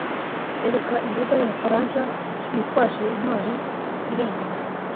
areka imbaga y'Abafaransa bitwaje intwaro irengana